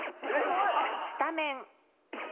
スタメン。